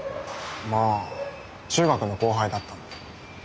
まあ中学の後輩だったんで。